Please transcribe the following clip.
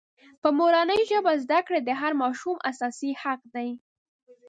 په مورنۍ ژبه زدکړې د هر ماشوم اساسي حق دی.